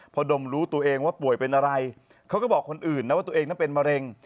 พอดมรู้ตัวเองว่าป่วยเป็นอะไรเขาก็บอกคนอื่นนะว่าตัวเองนั้นเป็นมะเร็ง